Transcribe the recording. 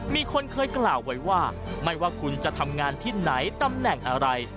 มีคนเคยกล่าวไว้ว่าไม่ว่าคุณจะทำงานที่ไหนตำแหน่งอะไร